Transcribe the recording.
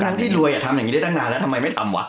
ทั้งที่รวยทำอย่างนี้ได้ตั้งนานแล้วทำไมไม่ทำวะ